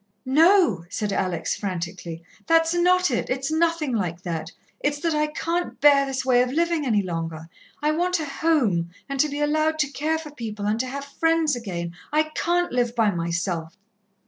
"No," said Alex frantically, "that's not it. It's nothing like that. It's that I can't bear this way of living any longer. I want a home, and to be allowed to care for people, and to have friends again I can't live by myself."